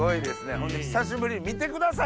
ほんで久しぶりに見てください